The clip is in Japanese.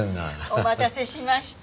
お待たせしました。